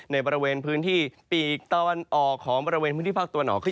ในบริเวณพื้นที่ปีกตะวันออกของบริเวณพื้นที่ภาคตะวันออก